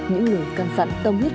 những lời cân dặn tông huyết